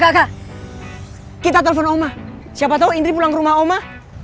kakak kita telepon oma siapa tahu indri pulang ke rumah oma